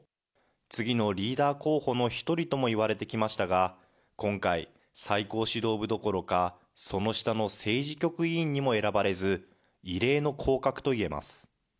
次のリーダー候補の１人とも言われてきましたが、今回、最高指導部どころか、その下の政治局委員にも選ばれず、異例の降格といえます。